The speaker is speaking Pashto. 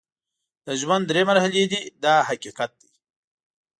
د ژوند درې مرحلې دي دا حقیقت دی.